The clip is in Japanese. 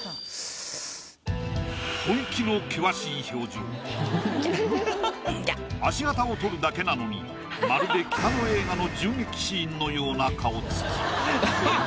本気の足形をとるだけなのにまるで北野映画の銃撃シーンのような顔つき。